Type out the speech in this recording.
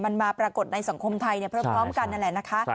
มันมาปรากฏในสังคมไทยพร้อมกันนั่นแหละนะคะ